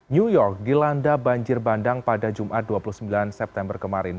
new york dilanda banjir bandang pada jumat dua puluh sembilan september kemarin